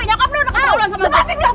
nyokap lu udah keterlaluan sama saya